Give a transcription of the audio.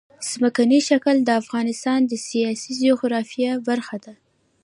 ځمکنی شکل د افغانستان د سیاسي جغرافیه برخه ده.